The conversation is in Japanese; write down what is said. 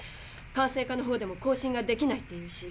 管制課のほうでも「交信ができない」って言うし。